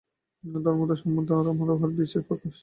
ধর্মমত সম্বন্ধে আবার উহার বিশেষ প্রকাশ।